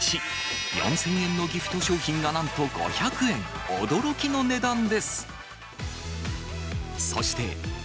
４０００円のギフト商品がなんと５００円、驚きの値段です。